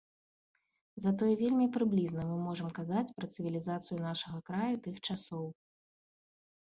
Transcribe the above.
Затое вельмі прыблізна мы можам казаць пра цывілізацыю нашага краю тых часоў.